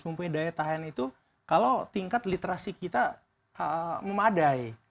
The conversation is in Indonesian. mempunyai daya tahan itu kalau tingkat literasi kita memadai